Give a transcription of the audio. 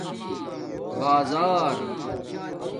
بازا